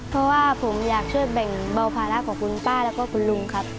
เพราะว่าผมอยากช่วยแบ่งเบาภาระของคุณป้าแล้วก็คุณลุงครับ